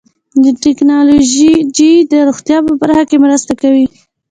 ټکنالوجي د روغتیا په برخه کې مرسته کوي.